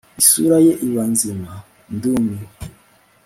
isura ye iba nzima, ndumiwe